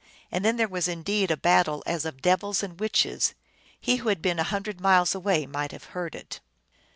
And then there was indeed a battle as of devils and witches ; he who had been a hundred miles away might have heard it.